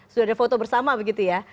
sudah ada foto bersama begitu ya